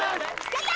やった！